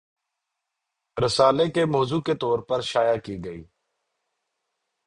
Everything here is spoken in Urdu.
رسالے کے موضوع کے طور پر شائع کی گئی